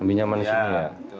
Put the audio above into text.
lebih nyaman di sini ya